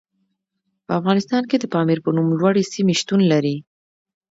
په افغانستان کې د پامیر په نوم لوړې سیمې شتون لري.